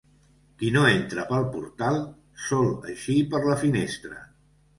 Qui no entra pel portal, sol eixir per la finestra.